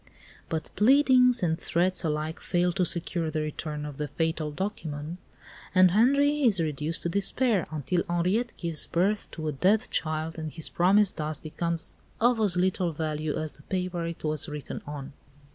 But pleadings and threats alike fail to secure the return of the fatal document, and Henri is reduced to despair, until Henriette gives birth to a dead child and his promise thus becomes of as little value as the paper it was written on.